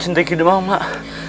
cinta hidup mak